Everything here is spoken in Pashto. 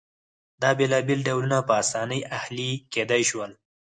دا بېلابېل ډولونه په اسانۍ اهلي کېدای شول